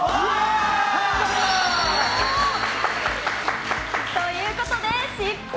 パンダ！ということで失敗。